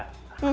ya yang salah